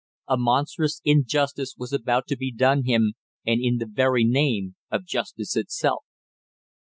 A monstrous injustice was about to be done him, and in the very name of justice itself!